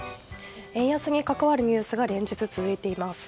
円安に関わるニュースが連日続いています。